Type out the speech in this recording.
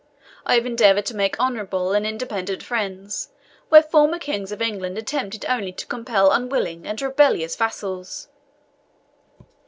I have endeavoured to make honourable and independent friends, where former kings of England attempted only to compel unwilling and rebellious vassals."